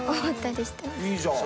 いいじゃん！